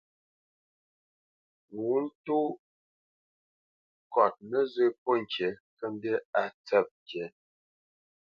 Ŋo tô kɔt nǝzǝ́ pɔ́t ŋkǐ kə̂ mbî á tsǝ̂p ŋkǐ.